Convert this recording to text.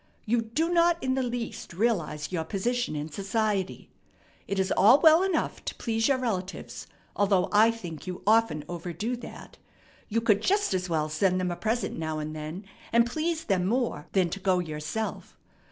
You do not in the least realize your position in society. It is all well enough to please your relatives, although I think you often overdo that. You could just as well send them a present now and then, and please them more than to go yourself.